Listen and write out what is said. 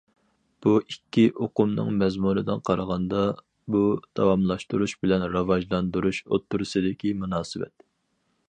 بۇ ئىككى ئۇقۇمنىڭ مەزمۇنىدىن قارىغاندا، بۇ داۋاملاشتۇرۇش بىلەن راۋاجلاندۇرۇش ئوتتۇرىسىدىكى مۇناسىۋەت.